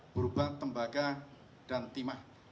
berubah tembaga dan timah